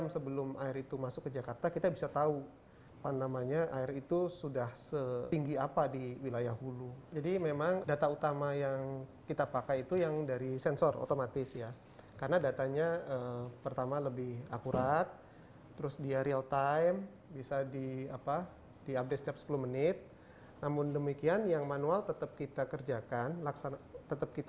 seluruhnya disebutkan oleh pak panji